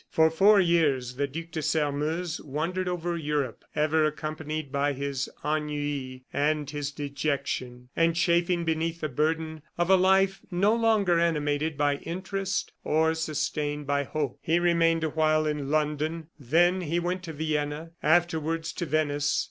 For four years the Duc de Sairmeuse wandered over Europe, ever accompanied by his ennui and his dejection, and chafing beneath the burden of a life no longer animated by interest or sustained by hope. He remained awhile in London, then he went to Vienna, afterward to Venice.